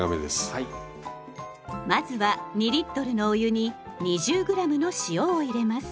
まずは２のお湯に２０ｇの塩を入れます。